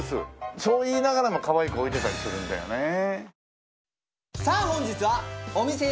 そう言いながらもかわいい子置いてたりするんだよねえ。